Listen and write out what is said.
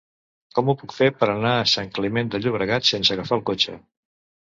Com ho puc fer per anar a Sant Climent de Llobregat sense agafar el cotxe?